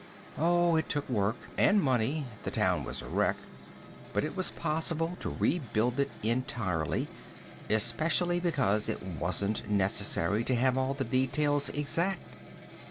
Oh, it took work and money the town was a wreck but it was possible to rebuild it entirely, especially because it wasn't necessary to have all the details exact.